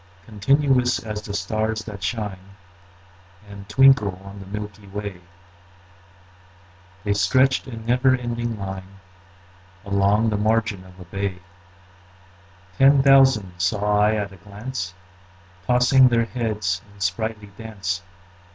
Continuous as the stars that shine And twinkle on the milky way, The stretched in never ending line Along the margin of a bay: Ten thousand saw I at a glance, Tossing their heads in sprightly dance.